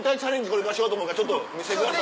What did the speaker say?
これからしようと思うから見せてください。